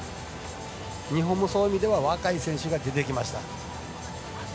日本もそういう意味では若い選手が出てきました。